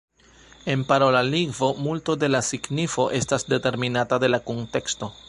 En parola lingvo, multo de la signifo estas determinata de la kunteksto.